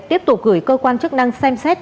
tiếp tục gửi cơ quan chức năng xem xét